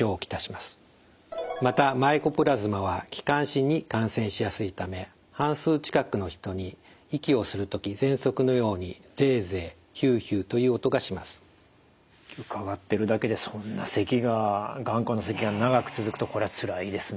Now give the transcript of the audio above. またマイコプラズマは気管支に感染しやすいため半数近くの人に伺ってるだけでそんなせきが頑固なせきが長く続くとこれつらいですね。